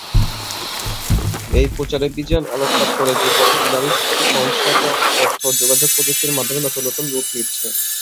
এই প্রচারাভিযান আলোকপাত করে যে পথে নারীর প্রতি সহিংসতা তথ্য ও যোগাযোগ প্রযুক্তির মাধ্যমে নতুন নতুন রূপ নিচ্ছে।